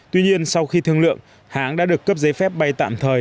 tuy nhiên sau khi thương lượng hãng đã được cấp giấy phép bay tạm thời